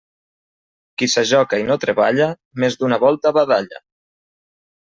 Qui s'ajoca i no treballa, més d'una volta badalla.